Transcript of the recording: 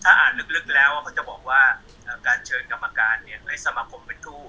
ถ้าอ่านลึกแล้วเขาจะบอกว่าการเชิญกรรมการให้สมาคมเป็นผู้